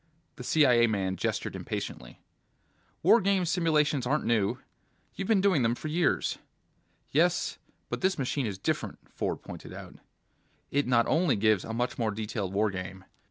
The CIA man gestured impatiently. "War games simulations aren't new. You've been doing them for years." "Yes, but this machine is different," Ford pointed out. "It not only gives a much more detailed war game.